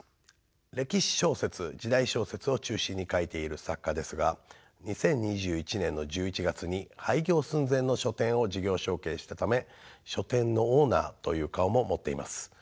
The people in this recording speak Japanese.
歴史小説時代小説を中心に書いている作家ですが２０２１年の１１月に廃業寸前の書店を事業承継したため書店のオーナーという顔も持っています。